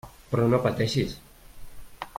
Però no pateixis.